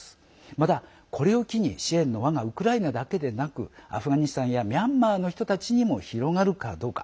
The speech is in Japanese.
また、これを機に支援の輪がウクライナだけでなくアフガニスタンやミャンマーの人たちにも広がるかどうか。